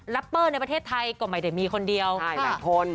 เปอร์ในประเทศไทยก็ไม่ได้มีคนเดียวใช่หลายคน